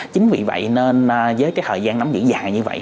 chính vì vậy nên với cái thời gian nắm diễn dài như vậy